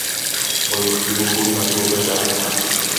وَيُكْسِبُهُ الْمَثُوبَةَ عَنْهَا